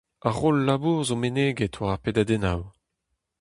Ar roll-labour zo meneget war ar pedadennoù.